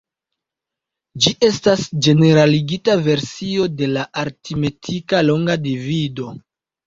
Ĝi estas ĝeneraligita versio de la aritmetika longa divido.